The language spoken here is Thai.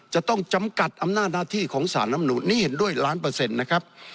จะต้องจำกัดอำนาจหน้าที่ของสารลำนูนนี่เห็นด้วยล้านเปอร์เซ็นต์นะครับ